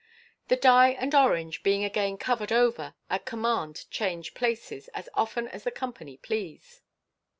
The die and orange, being again covered over, at command change places as often as the company please.